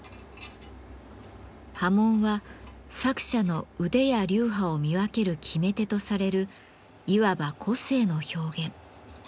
刃文は作者の腕や流派を見分ける決め手とされるいわば個性の表現。